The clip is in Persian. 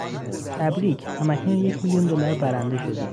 تبریک! هم اکنون یک میلیون دلار برنده شدید!